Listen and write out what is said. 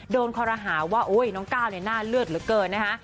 โดนคอรหาว่าโอ้ยน้องก้าวน่าเลือดเหลือเกินนะคะ